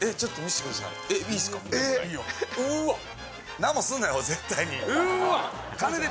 何もすんなよ、絶対に。